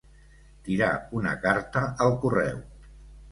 Tirar una carta al correu.